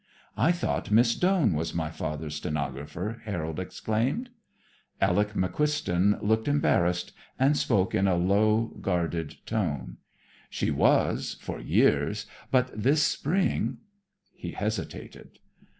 "I thought Miss Doane was my father's stenographer," Harold exclaimed. Alec McQuiston looked embarrassed and spoke in a low, guarded tone. "She was, for years. But this spring, " he hesitated.